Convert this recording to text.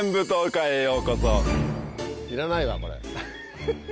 いらないわこれ。